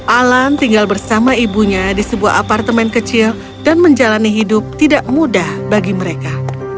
alan tinggal bersama ibunya di sebuah apartemen kecil dan menjalani hidup tidak mudah bagi mereka